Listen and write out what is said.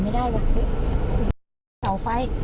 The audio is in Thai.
ไว้กันเป็นแหล่ว